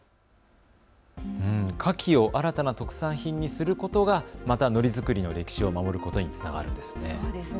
かきを新たな特産品にすることがまた、のり作りの歴史を守ることにつながるんですね。